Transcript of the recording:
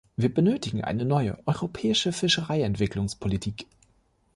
Wir benötigen eine neue europäische Fischereientwicklungspolitik.